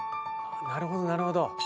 なるほどなるほど。